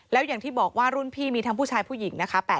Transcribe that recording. แล้วอย่างที่บอกว่ารุ่นพี่มีทั้งผู้ชายผู้หญิงนะคะ